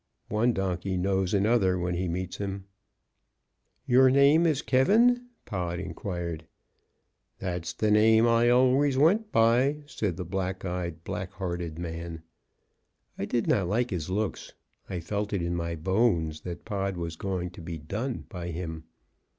One donkey knows another when he meets him. "Your name is K ?" Pod inquired. "That's the name I always went by," said the black eyed, black hearted man. I did not like his looks; I felt it in my bones that Pod was going to be "done" by him.